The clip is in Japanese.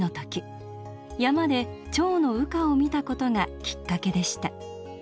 山でチョウの羽化を見たことがきっかけでした。